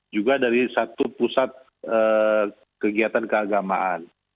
juga dari satu pusat kegiatan keagamaan